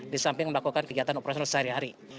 di samping melakukan kegiatan operasional sehari hari